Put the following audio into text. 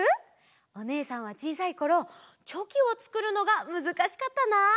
おねえさんはちいさいころチョキをつくるのがむずかしかったな。